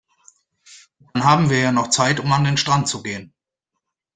Dann haben wir ja noch Zeit, um an den Strand zu gehen.